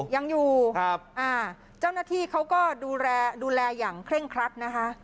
ยังอยู่เจ้าหน้าที่เขาก็ดูแลดูแลอย่างเคร่งครัดนะคะ